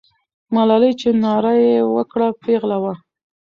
ملالۍ چې ناره یې وکړه، پیغله وه.